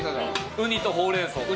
ウニとホウレンソウ。